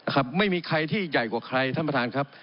ครับไม่มีใครที่ใหญ่กว่าใครท่านประธานครับ